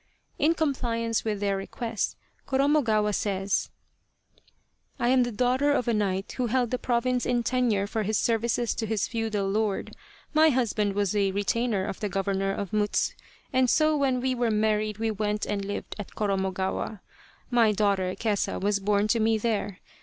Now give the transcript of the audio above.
In compliance with their request, Koromo gawa says :" I am the daughter of a knight who held the pro vince in tenure for his services to his feudal lord. My husband was a retainer of the Governor of Mutsu, and so when we were married we went and lived at Koromogawa. My daughter Kesa was born to me there.